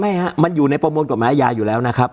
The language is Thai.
ฮะมันอยู่ในประมวลกฎหมายอาญาอยู่แล้วนะครับ